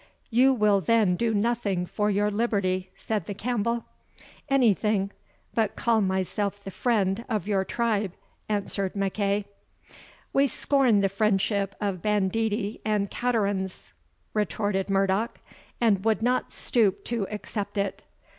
"You will then do nothing for your liberty," said the Campbell. "Anything but call myself the friend of your tribe," answered MacEagh. "We scorn the friendship of banditti and caterans," retorted Murdoch, "and would not stoop to accept it.